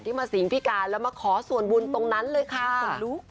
ที่มาสีงพี่การ์นแล้วมาขอสวนบุญตรงนั้นเลยค่ะ